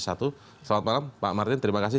selamat malam pak martin terima kasih